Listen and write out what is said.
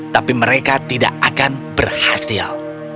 tapi mereka tidak akan berhasil